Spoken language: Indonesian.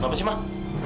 apa sih mak